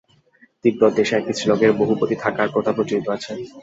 তিব্বত-দেশে এক স্ত্রীলোকের বহু পতি থাকার প্রথা প্রচলিত আছে।